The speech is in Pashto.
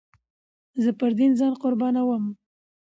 زه پر دين ځان قربانوم.